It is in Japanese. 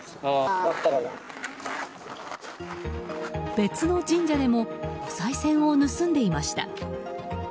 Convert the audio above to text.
別の神社でもおさい銭を盗んでいました。